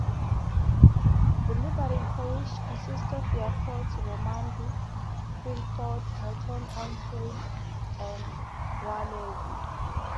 The neighbouring parishes consist of Yafforth, Romanby, Thrintoft, Morton-on-Swale and Warlaby.